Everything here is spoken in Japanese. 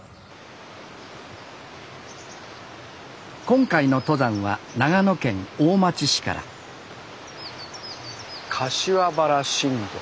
今回の登山は長野県大町市から柏原新道。